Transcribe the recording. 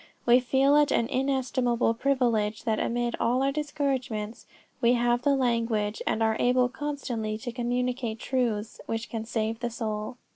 We feel it an inestimable privilege that amid all our discouragements we have the language, and are able constantly to communicate truths which can save the soul."